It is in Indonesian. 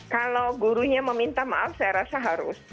kalau gurunya meminta maaf saya rasa harus